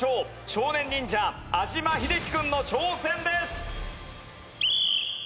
少年忍者安嶋秀生君の挑戦です！